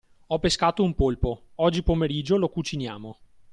Ho pescato un polpo, oggi pomeriggio lo cuciniamo.